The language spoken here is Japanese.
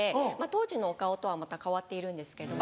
当時のお顔とはまた変わっているんですけど。